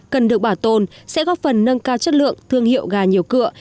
cần được bảo tồn sẽ góp phần nâng cao chất lượng thương hiệu gà nhiều cửa